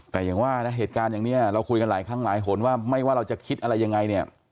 แต่อย่างว่านะเหตุการณ์อย่างนี้เราคุยกันหลายครั้งหลายหนว่าไม่ว่าเราจะคิดอะไรยังไงเนี่ย